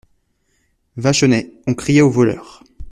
Vachonnet On criait au voleur !